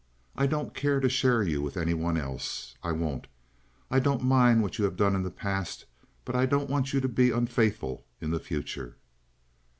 "I don't care to share you with any one else. I won't. I don't mind what you have done in the past, but I don't want you to be unfaithful in the future."